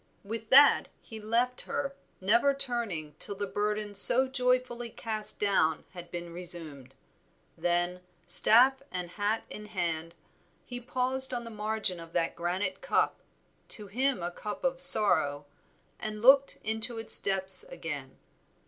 With that he left her, never turning till the burden so joyfully cast down had been resumed. Then, staff and hat in hand, he paused on the margin of that granite cup, to him a cup of sorrow, and looked into its depths again.